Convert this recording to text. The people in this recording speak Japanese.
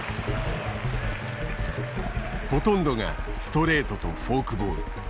ほとんどがストレートとフォークボール。